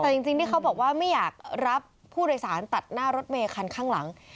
แต่จริงที่เขาบอกว่าไม่อยากรับผู้โดยสารตัดหน้ารถเมย์คันข้างหลัง